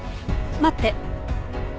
待って。